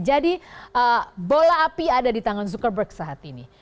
jadi bola api ada di tangan zuckerberg saat ini